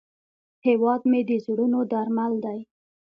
هیواد مې د زړونو درمل دی